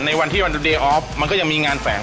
ในวันที่วันเดย์ออฟมันก็ยังมีงานแฝง